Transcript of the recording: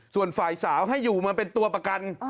ส่วนฝ่ายสาวให้อยู่มาเป็นตัวประกัน